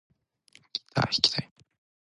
ギター弾きたい